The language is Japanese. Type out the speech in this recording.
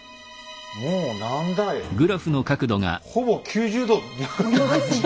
もう何だい！